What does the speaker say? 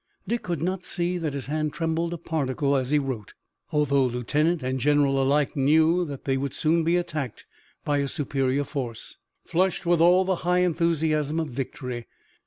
Dick could not see that his hand trembled a particle as he wrote, although lieutenant and general alike knew that they would soon be attacked by a superior force, flushed with all the high enthusiasm of victory.